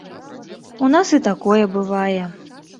У нас і такое бывае.